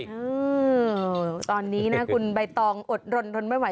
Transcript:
อืมตอนนี้นะคุณใบตองอดรนทนไม่ไหว